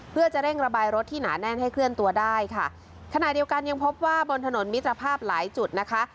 เพื่อจะเร่งระบายรถที่หนาแน่นให้เคลื่อนตัวได้ค่ะขณะเดียวกันยังพบว่าบนถนนมิตรภาพหลายจุดนะคะ